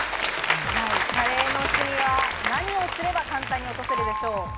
カレーのシミは何をすれば簡単に落とせるでしょう。